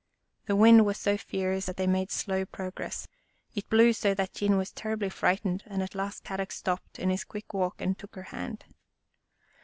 The wind was so fierce that they made slow progress. It blew so that Jean was terribly frightened and at last Kadok stopped in his quick walk and took her hand.